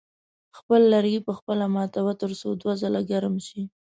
خپل لرګي په خپله ماتوه تر څو دوه ځله ګرم شي.